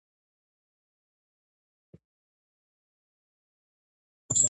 پېیر کوري د نوې ماده د کشف لپاره مرسته وکړه.